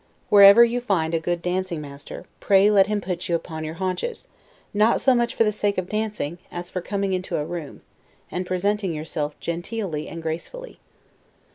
Wherever you find a good dancing master, pray let him put you upon your haunches; not so much for the sake of dancing, as for coming into a room, and presenting yourself genteelly and gracefully.